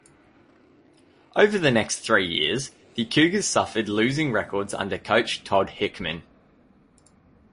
Over the next three years, the Cougars suffered losing records under coach Todd Hickman.